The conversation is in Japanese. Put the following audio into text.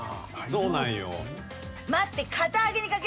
そうなんよ。